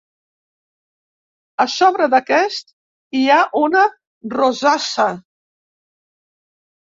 A sobre d'aquest, hi ha una rosassa.